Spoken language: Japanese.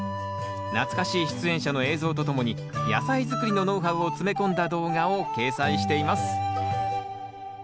懐かしい出演者の映像とともに野菜づくりのノウハウを詰め込んだ動画を掲載しています。